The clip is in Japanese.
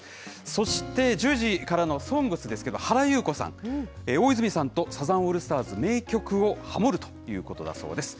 そして１０時からのＳＯＮＧＳですけれども、原由子さん、大泉さんとサザンオールスターズ、名曲をハモるということだそうです。